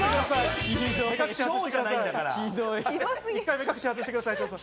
目隠しを外してください。